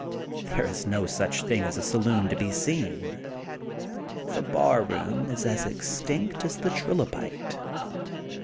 There is no such thing as a saloon to be seen. The bar room is as extinct as the trilobite.